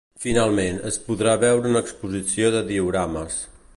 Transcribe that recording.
Finalment, es podrà veure una exposició de diorames.